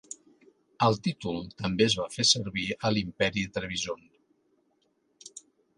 El títol també es va fer servir a l'Imperi de Trebizond.